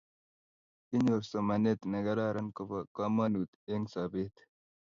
Kenyor somanet ne kararan ko po kamonut eng' sobet